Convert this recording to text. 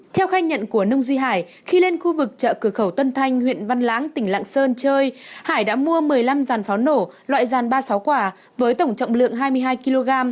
theo khai nhận của nông duy hải khi lên khu vực chợ cửa khẩu tân thanh huyện văn lãng tỉnh lạng sơn chơi hải đã mua một mươi năm giàn pháo nổ loại dàn ba mươi sáu quả với tổng trọng lượng hai mươi hai kg